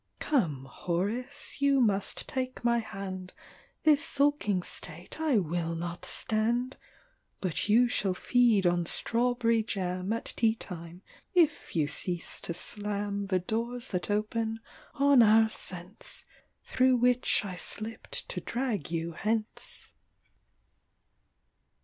Come, Horace, you must take my hand — This sulking state I will not stand ! But you shall feed on strawberry jam At tea time, if you cease to slam The doors that open on our sense Through which I slipped to drag you hence.